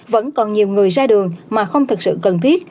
vẫn còn nhiều người ra đường mà không thực sự cần thiết